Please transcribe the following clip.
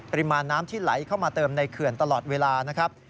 ปริมาณน้ำที่ไหลเข้ามาเติมในเขื่อนตลอดเวลานะครับ